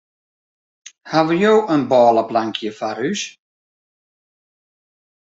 Hawwe jo in bôleplankje foar ús?